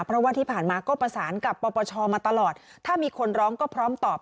เพราะว่าที่ผ่านมาก็ประสานกับปปชมาตลอดถ้ามีคนร้องก็พร้อมตอบ